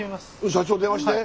社長に電話して。